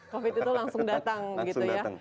covid itu langsung datang gitu ya